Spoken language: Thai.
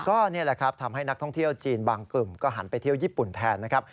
ก็นี่แหละครับทำให้นักท่องเที่ยวจีนบางกลุ่มก็หันไปเที่ยวญี่ปุ่นแทนนะครับ